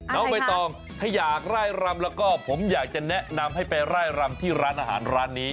น้องใบตองถ้าอยากไล่รำแล้วก็ผมอยากจะแนะนำให้ไปไล่รำที่ร้านอาหารร้านนี้